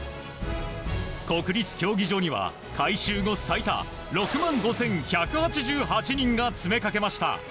国立競技場には過去最多６万５１８８人が詰めかけました。